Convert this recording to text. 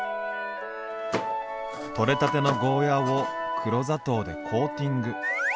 取れたてのゴーヤーを黒砂糖でコーティング。